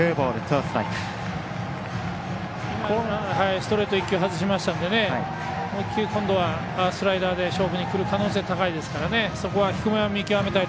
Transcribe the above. ストレート１球外したのでもう１球、今度はスライダーで勝負にくる可能性高いですから。